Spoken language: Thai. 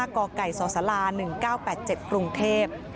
กไก่สศ๑๙๘๗กรุงเทพฯ